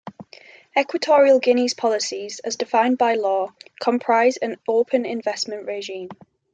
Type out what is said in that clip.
Equatorial Guinea's policies, as defined by law, comprise an open investment regime.